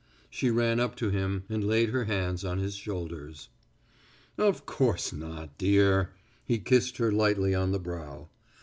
She ran up to him and laid her hands on his shoulders. "Of course not, dear." He kissed her lightly on the brow.